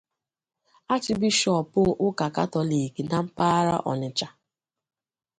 Achbishọọpụ ụka katọliiki na mpaghara Ọnịtsha